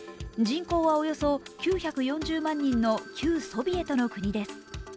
人口はおよそ９４０万人の旧ソビエトの国です。